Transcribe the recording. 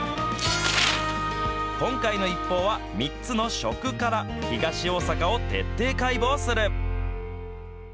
今回のＩＰＰＯＵは３つのショクから、東大阪を徹底解剖する。